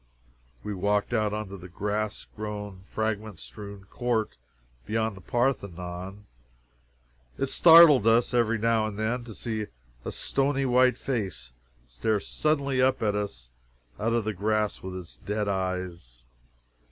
We walked out into the grass grown, fragment strewn court beyond the Parthenon. It startled us, every now and then, to see a stony white face stare suddenly up at us out of the grass with its dead eyes.